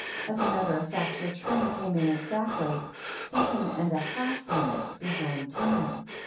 As a matter of fact, your train came in exactly seven and a half minutes behind time."